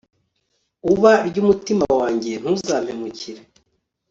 uba ry'umutima wanjye ntuza mpemukire